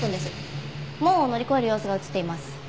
門を乗り越える様子が映っています。